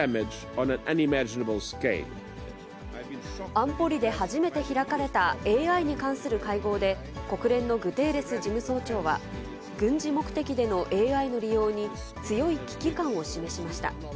安保理で初めて開かれたＡＩに関する会合で、国連のグテーレス事務総長は、軍事目的でのＡＩの利用に強い危機感を示しました。